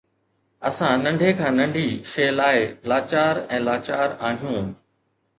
اسان ننڍي کان ننڍي شيءِ لاءِ لاچار ۽ لاچار آهيون.